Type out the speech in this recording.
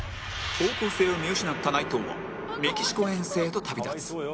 方向性を見失った内藤はメキシコ遠征へと旅立つ